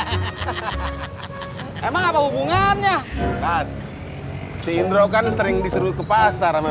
hahaha emang apa hubungannya pas si indro kan sering disuruh ke pasar sama